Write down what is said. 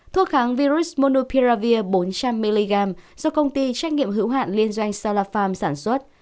thuốc kháng virus monophiravir bốn trăm linh mg do công ty trách nhiệm hữu hạn liên doanh salafarm sản xuất